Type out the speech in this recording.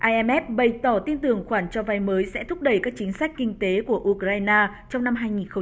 imf bày tỏ tin tưởng khoản cho vai mới sẽ thúc đẩy các chính sách kinh tế của ukraine trong năm hai nghìn một mươi chín